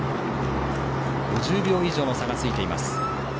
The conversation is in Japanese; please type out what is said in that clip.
５０秒以上の差がついています。